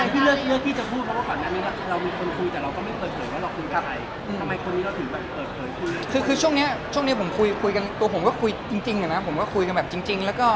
พี่เลือกที่จะพูดเพราะว่าตอนนั้นนี้นะ